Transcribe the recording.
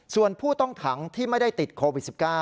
ส่วนผู้ต้องขังที่ไม่ได้ติดโควิด๑๙